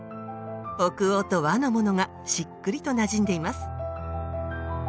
北欧と和のものがしっくりとなじんでいます。